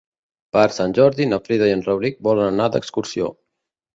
Per Sant Jordi na Frida i en Rauric volen anar d'excursió.